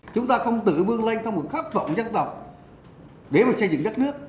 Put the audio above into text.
chúng ta không tự vương linh không có khát vọng dân tộc để xây dựng đất nước